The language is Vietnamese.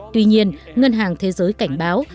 tuy nhiên ngân hàng thế giới cảnh báo